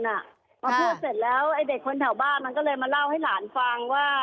พอพูดเสร็จแล้วไอ้เด็กคนแถวบ้านมันก็เลยมาเล่าให้หลานฟังว่า